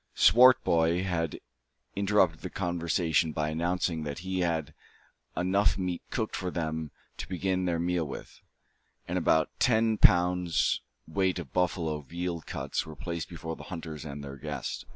Swartboy here interrupted the conversation by announcing that he had enough meat cooked for them to begin their meal with; and about ten pounds' weight of buffalo veal cutlets were placed before the hunters and their guest.